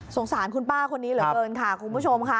สารคุณป้าคนนี้เหลือเกินค่ะคุณผู้ชมค่ะ